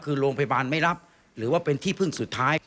คือโรงพยาบาลไม่รับหรือว่าเป็นที่พึ่งสุดท้าย